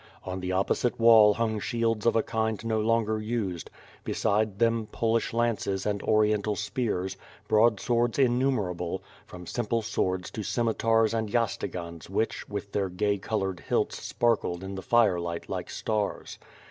On the opposite wall hung shields of a kind no longer used; beside them Polish lances and oriental spears; broadswords innumerable, from simple swords to scimitars and yatagans which, with their gay colored hilts sparkled in the firelight like stars.